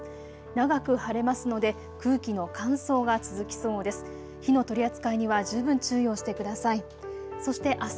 長く晴れますので空気の乾燥が続きそうです。